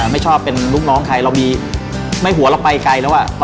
ไม่ชอบเป็นลูกน้องใครเรามีไม่หัวเราไปไกลแล้ว